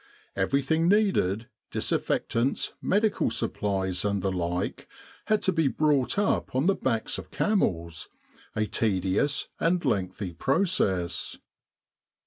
Everything needed disinfectants, medical supplies and the like had to be brought up on the backs of camels, a tedious and lengthy process.